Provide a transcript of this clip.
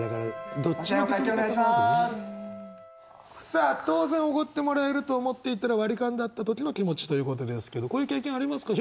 さあ当然おごってもらえると思っていたら割り勘だった時の気持ちということですけどこういう経験ありますか？